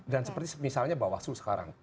dan seperti misalnya bawaslu sekarang